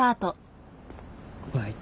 「バイト